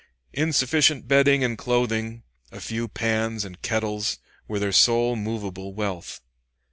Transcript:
Insufficient bedding and clothing, a few pans and kettles, were their sole movable wealth.